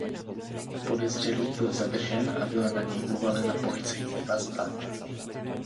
Podezřelý byl zadržen a byla na něj uvalena policejní vazba.